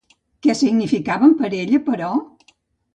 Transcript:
Què significaven per a ella, però?